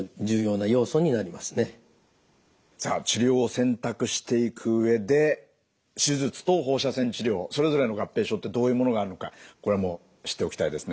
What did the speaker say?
さあ治療を選択していく上で手術と放射線治療それぞれの合併症ってどういうものがあるのかこれも知っておきたいですね。